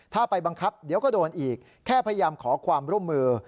ถ้าไปบังคับเดี๋ยวก็โดนอีกแค่พยายามขอความร่วมมือ